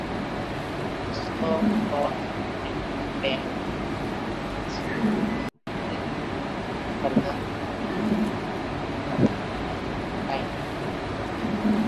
This hole caused him pain, which he relieved with further use of cocaine.